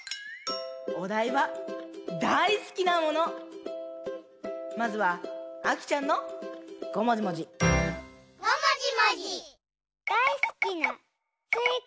おだいは「だいすきなもの」。まずはあきちゃんのごもじもじ。